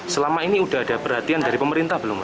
selama ini udah ada perhatian dari pemerintah belum mbak